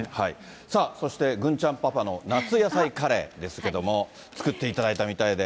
さあそして、郡ちゃんパパの夏野菜カレーですけれども、作っていただいたみたいで。